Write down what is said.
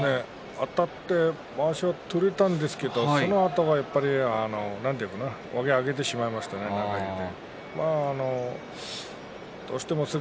あたってまわしを取れたんですけれどそのあとが、なんていうかな腕を上げてしまいましたね中に入れて。